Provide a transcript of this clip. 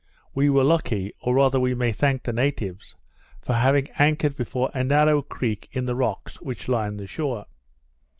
We were lucky, or rather we may thank the natives, for having anchored before a narrow creek in the rocks which line the shore.